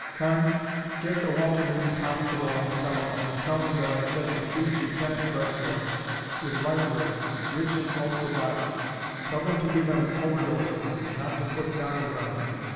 Carnes, get the Walter Reed Hospital on the telephone and tell them that I said to treat Lieutenant Breslau with light rays, rich in ultra violet. Tell them to give him an overdose of them and not to put goggles on him.